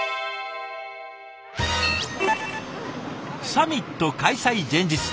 サミット開催前日。